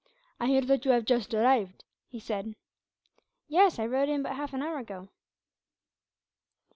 "I hear that you have just arrived," he said. "Yes; I rode in but half an hour ago."